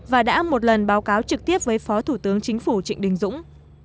và đã một lần báo cáo trực tiếp với phó thủ tướng chính phủ trịnh đình dũng